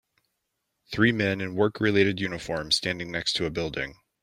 Three men in workrelated uniforms standing next to a building.